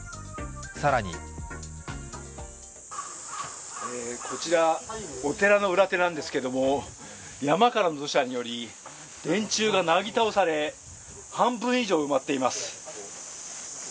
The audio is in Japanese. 更にこちらお寺の裏手なんですけれども、山からの土砂により電柱がなぎ倒され半分以上埋まっています。